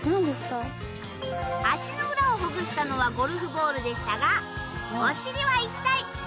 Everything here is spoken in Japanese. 足の裏をほぐしたのはゴルフボールでしたが。